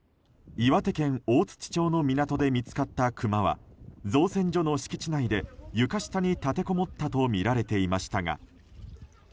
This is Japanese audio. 岩手県大槌町の港で見つかったクマは造船所の敷地内で床下に立てこもったとみられていましたが。